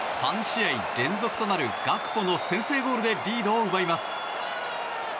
３試合連続となるガクポの先制ゴールでリードを奪います。